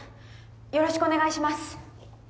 よろしくお願いします